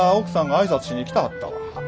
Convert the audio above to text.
奥さんが挨拶しに来たはったわ。